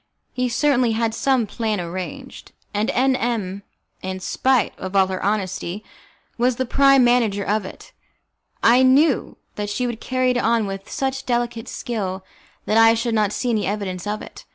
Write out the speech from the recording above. He certainly had some plan arranged, and M M , in spite of all her honesty, was the prime manager of it. I knew that she would carry it on with such delicate skill that I should not see any evidence of it.